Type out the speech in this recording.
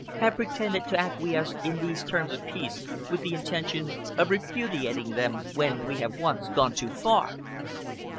Have pretended to acquiesce in these terms of peace with the intention of repudiating them when we have once gone too far?"